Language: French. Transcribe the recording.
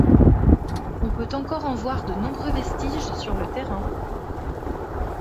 On peut encore en voir de nombreux vestiges sur le terrain.